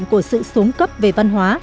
của sự xuống cấp về văn hóa